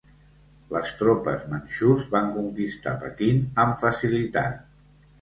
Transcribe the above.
Les tropes manxús van conquistar Pequín amb facilitat.